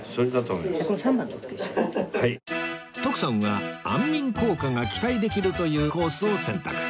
徳さんは安眠効果が期待できるというコースを選択